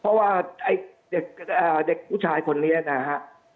เพราะว่าไอเด็กเอ่อเด็กผู้ชายคนเนี้ยนะฮะ